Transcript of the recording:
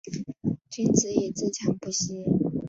君子以自强不息